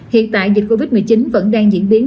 hiện tại dịch covid một mươi chín vẫn đang diễn biến